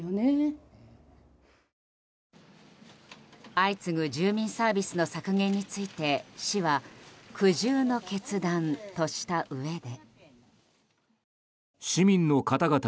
相次ぐ住民サービスの削減について市は苦渋の決断としたうえで。